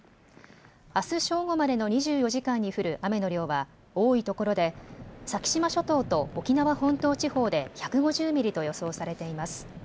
あす正午までの２４時間に降る雨の量は多いところで先島諸島と沖縄本島地方で１５０ミリと予想されています。